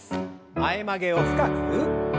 前曲げを深く。